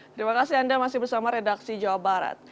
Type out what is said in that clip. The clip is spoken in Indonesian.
terima kasih anda masih bersama redaksi jawa barat